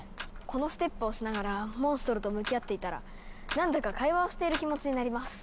このステップをしながらモンストロと向き合っていたら何だか会話をしている気持ちになります。